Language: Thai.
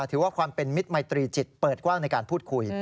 ถือว่าความเป็นมิตรมัยตรีจิตเปิดกว้างในการพูดคุย